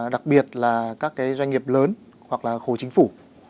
đặc biệt là các cái doanh nghiệp lớn hoặc là khối chính phủ